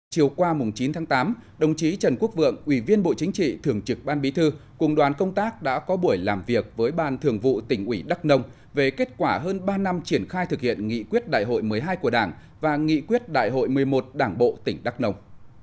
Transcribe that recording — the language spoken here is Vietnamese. chiều qua chín tháng tám đồng chí trần quốc vượng ủy viên bộ chính trị thường trực ban bí thư cùng đoàn công tác đã có buổi làm việc với ban thường vụ tỉnh ủy đắk nông về kết quả hơn ba năm triển khai thực hiện nghị quyết đại hội một mươi hai của đảng và nghị quyết đại hội một mươi một đảng bộ tỉnh đắk nông